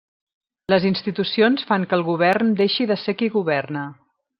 Les institucions fan que el Govern deixi de ser qui governa.